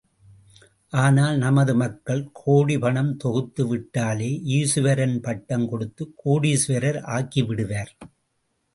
ஆனால், நமது மக்கள் கோடி பணம் தொகுத்து விட்டாலே ஈசுவரன் பட்டம் கொடுத்து, கோடீசுவரர் ஆக்கிவிடுவர்!